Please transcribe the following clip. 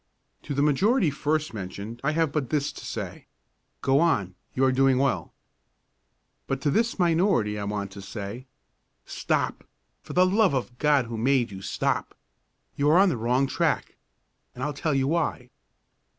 To the majority first mentioned I have but this to say: Go on; you are doing well. But to this minority I want to say: Stop! For the love of the God who made you, stop! You are on the wrong track. And I'll tell you why.